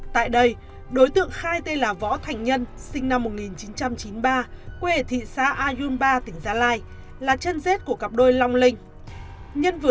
tại đây đối tượng khai tên là võ thành nhân sinh năm một nghìn chín trăm chín mươi ba quê ở thị xã ayun ba tỉnh gia lai là chân rết của cặp đôi long linh